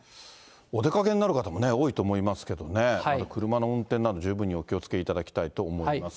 お出かけになる方も、多いと思いますけどね、車の運転など、十分にお気をつけいただきたいと思います。